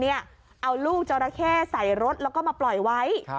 เอาลูกจราเข้ใส่รถแล้วก็มาปล่อยไว้